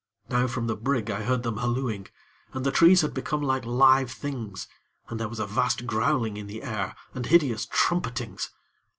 Now from the brig I heard them hallooing, and the trees had become like live things, and there was a vast growling in the air, and hideous trumpetings.